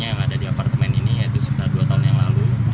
yang ada di apartemen ini yaitu sudah dua tahun yang lalu